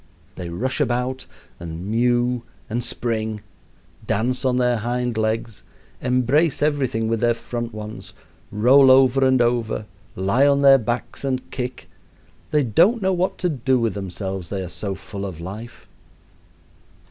They rush about, and mew, and spring; dance on their hind legs, embrace everything with their front ones, roll over and over, lie on their backs and kick. They don't know what to do with themselves, they are so full of life.